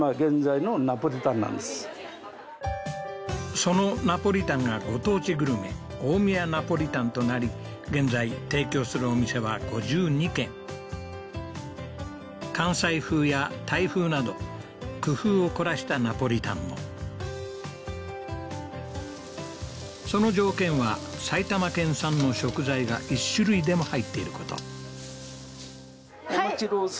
そのナポリタンがご当地グルメ大宮ナポリタンとなり現在提供するお店は５２軒その条件は埼玉県産の食材が１種類でも入っていることお待ちどおさ